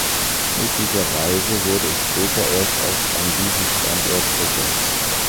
Möglicherweise wurde es später erst auch an diesen Standort versetzt.